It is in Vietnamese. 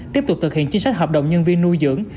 tiếp tục thực hiện chính sách hợp đồng nhân viên nuôi dưỡng